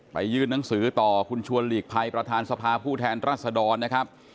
ยื่นหนังสือต่อคุณชวนหลีกภัยประธานสภาผู้แทนรัศดรนะครับ